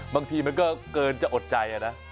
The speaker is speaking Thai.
บางทีมันก็เกินจะอดใจนะ